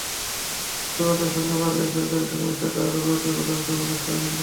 মধ্যপ্রাচ্যের সঙ্গে মার্কিন সরকারের সংশ্লিষ্টতা আরও বাড়বে বলে আশা প্রকাশ করেছেন তিনি।